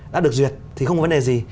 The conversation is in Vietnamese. đã được duyệt thì không có vấn đề gì